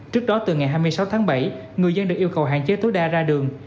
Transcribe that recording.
trước đó từ ngày hai mươi sáu tháng bảy người dân được yêu cầu hạn chế tối đa ra đường